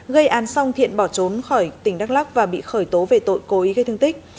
gây án xong thiện bỏ trốn khỏi tỉnh đắk lắc và bị khởi tố về tội cố ý gây thương tích